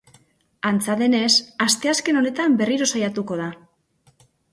Antza denez, asteazken honetan berriro saiatuko da.